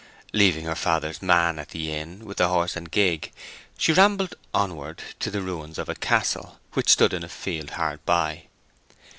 Leaving her father's man at the inn with the horse and gig, she rambled onward to the ruins of a castle, which stood in a field hard by.